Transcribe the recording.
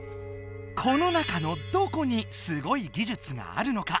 この中のどこにすごい技術があるのか